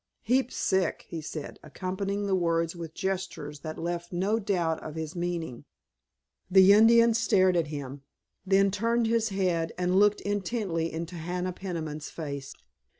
"Heap sick," he said, accompanying the words with gestures that left no doubt of his meaning. The Indian stared at him, then turned his head and looked intently into Hannah Peniman's face.